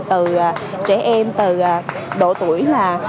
trẻ em từ độ tuổi